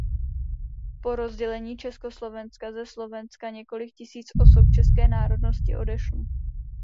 Po rozdělení Československa ze Slovenska několik tisíc osob české národnosti odešlo.